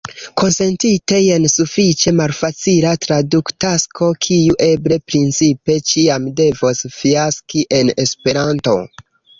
Konsentite, jen sufiĉe malfacila traduktasko, kiu eble principe ĉiam devos fiaski en Esperanto.